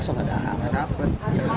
gak ada rapet